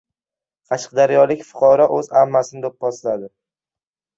Qashqadaryolik fuqaro o‘z ammasini do‘pposladi